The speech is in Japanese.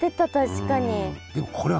確かに。